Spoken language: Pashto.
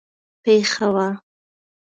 پېښه وه.